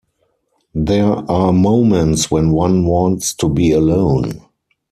There are moments when one wants to be alone.